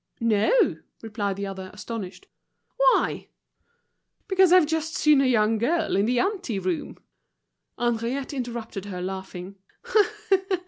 "No," replied the other, astonished. "Why?" "Because I've just seen a young girl in the ante room." Henriette interrupted her, laughing.